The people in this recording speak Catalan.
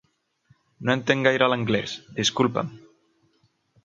No entenc gaire l'anglés, disculpa'm.